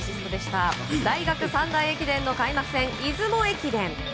大学三大駅伝の開幕戦出雲駅伝。